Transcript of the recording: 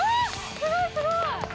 すごいすごい！